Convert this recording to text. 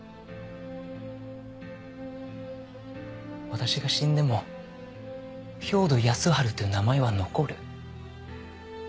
私が死んでも兵働耕春という名前は残る。